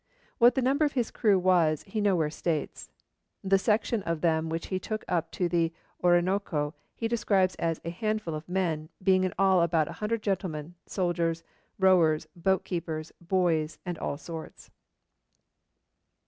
What the number of his crew was, he nowhere states. The section of them which he took up to the Orinoco he describes as 'a handful of men, being in all about a hundred gentlemen; soldiers, rowers, boat keepers, boys, and all sorts.'